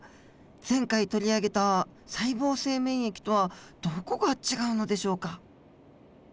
前回取り上げた細胞性免疫とはどこが違うのでしょうか？